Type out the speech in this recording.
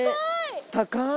高い！